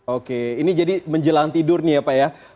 oke ini jadi menjelang tidur nih ya pak ya